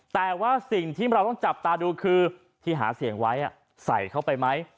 แต่ว่าสิ่งที่เราต้องจับตาดูคือที่หาเสียงไว้ใส่เข้าไปไหม